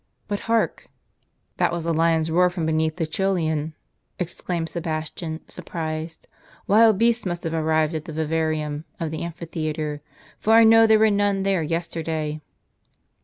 But hark !"" That was a lion's roar from beneath the Coelian !" exclaimed Sebastian, surprised. "Wild beasts must have arrived at the vivarium* of the amphitheatre; for I know there were none there yesterday."